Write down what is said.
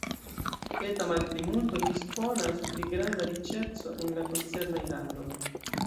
Eta malplimulto disponas pri granda riĉeco en la koncernaj landoj.